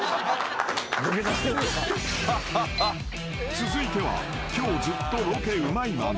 ［続いては今日ずっとロケうまいマン］